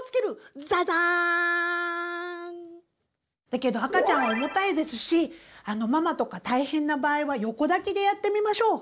だけど赤ちゃん重たいですしママとか大変な場合は横抱きでやってみましょう。